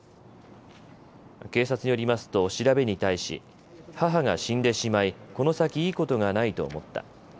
警察によりますと調べに対し母が死んでしまい、この先いいことがないと思った。